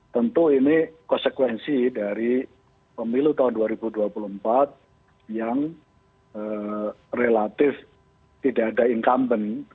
tentu ini konsekuensi dari pemilu tahun dua ribu dua puluh empat yang relatif tidak ada incumbent